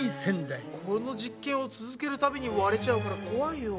この実験を続けるたびに割れちゃうからこわいよ。